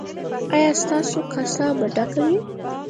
ایا ستاسو کاسه به ډکه وي؟